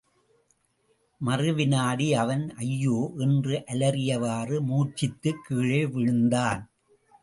மறு வினாடி, அவன், ஐயோ! என்று அலறியவாறு மூர்ச்சித்துக் கீழே விழுந்தான்.